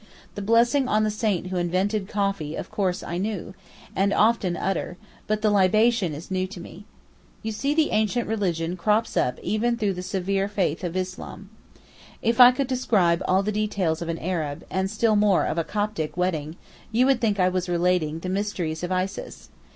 The blessing on the saint who invented coffee of course I knew, and often utter, but the libation is new to me. You see the ancient religion crops up even through the severe faith of Islam. If I could describe all the details of an Arab, and still more of a Coptic, wedding, you would think I was relating the mysteries of Isis.